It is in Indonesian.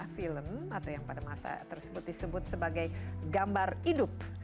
film atau yang pada masa tersebut disebut sebagai gambar hidup